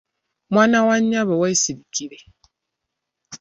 Mwana wa nnyabo weesirikire